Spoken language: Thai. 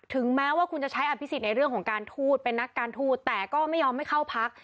แม้ว่าคุณจะใช้อภิษฎในเรื่องของการทูตเป็นนักการทูตแต่ก็ไม่ยอมให้เข้าพัก